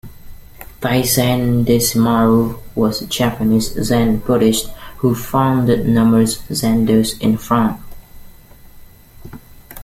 Taisen Deshimaru was a Japanese Zen Buddhist who founded numerous zendos in France.